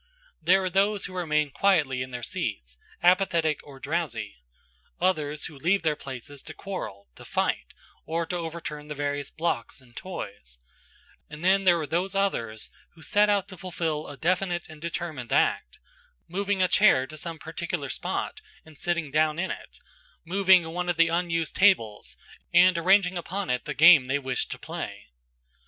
There are those who remain quietly in their seats, apathetic, or drowsy; others who leave their places to quarrel, to fight, or to overturn the various blocks and toys, and then there are those others who set out to fulfil a definite and determined act–moving a chair to some particular spot and sitting down in it, moving one of the unused tables and arranging upon it the game they wish to play.